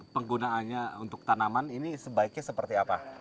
penggunaannya untuk tanaman ini sebaiknya seperti apa